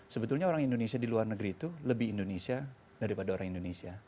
sebetulnya orang indonesia di luar negeri itu lebih indonesia daripada orang indonesia